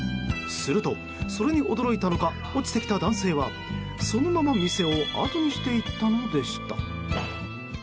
すると、それに驚いたのか落ちてきた男性はそのまま店をあとにしていったのでした。